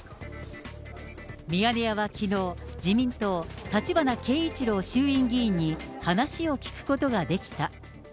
ミヤネ屋はきのう、自民党、橘慶一郎衆院議員に話を聞くことができた。